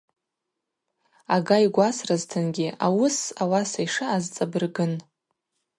Ага йгвасразтынгьи ауыс ауаса йшаъаз цӏабыргын.